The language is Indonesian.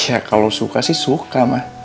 ya kalau suka sih suka mah